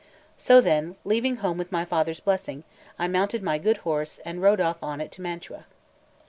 So then, leaving home with my father's blessing, I mounted my good horse, and rode off on it to Mantua.